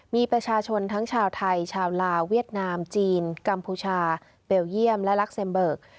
มีประชาชนทั้งชาวไทยชาวลาวเวียดนามจีนกัมพูชาเบลเยี่ยมและลักเซมเบิก